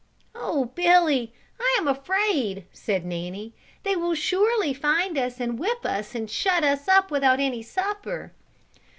"Oh, Billy, I am afraid," said Nanny. "They will surely find us and whip us and shut us up without any supper."